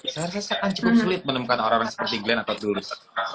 saya rasa sangat cukup sulit menemukan orang orang seperti glenn atau dulus